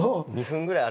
２分ぐらい。